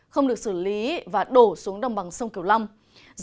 không được xử lý và đổ xuống đồng bằng sông kiều long